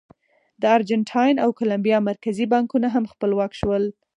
د ارجنټاین او کولمبیا مرکزي بانکونه هم خپلواک شول.